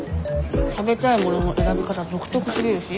食べたいものの選び方独特すぎるし。